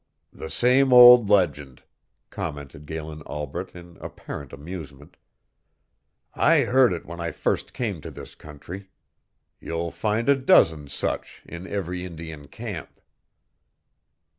"The same old legend," commented Galen Albret in apparent amusement, "I heard it when I first came to this country. You'll find a dozen such in every Indian camp."